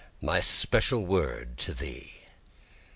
my special word to thee.